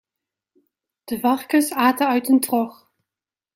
De varkens aten uit een trog.